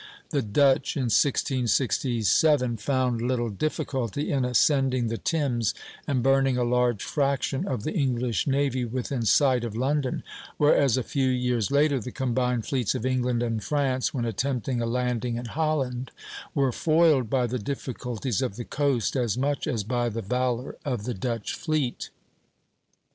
The Dutch in 1667 found little difficulty in ascending the Thames and burning a large fraction of the English navy within sight of London; whereas a few years later the combined fleets of England and France, when attempting a landing in Holland, were foiled by the difficulties of the coast as much as by the valor of the Dutch fleet.